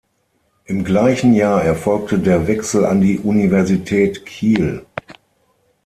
Im gleichen Jahr erfolgte der Wechsel an die Universität Kiel.